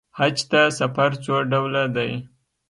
حج ته سفر څو ډوله دی.